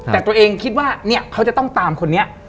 แต่ตัวเองคิดว่าเนี่ยเขาจะต้องตามคนนี้